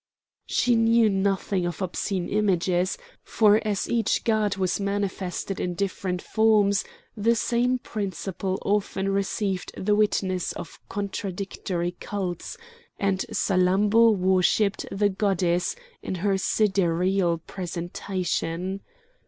She knew nothing of obscene images, for as each god was manifested in different forms, the same principle often received the witness of contradictory cults, and Salammbô worshipped the goddess in her sidereal presentation.